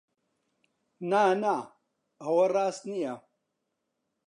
نا، نا! ئەوە ڕاست نییە.